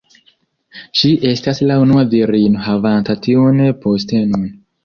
Ŝi estas la unua virino havanta tiun postenon.